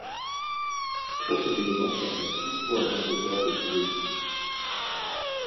Trop peu d'éléments permettent toutefois aux enquêteurs de trouver une piste.